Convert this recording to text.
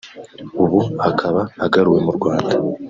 ubu akaba agaruwe mu Rwanda